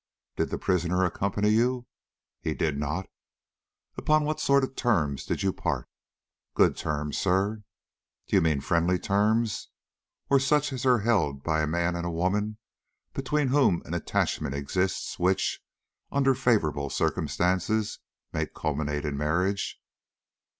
"Did the prisoner accompany you?" "He did not." "Upon what sort of terms did you part?" "Good terms, sir." "Do you mean friendly terms, or such as are held by a man and a woman between whom an attachment exists which, under favorable circumstances, may culminate in marriage?"